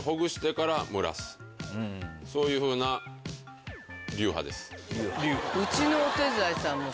そういうふうな流派です。